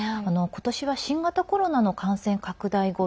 今年は新型コロナの感染拡大後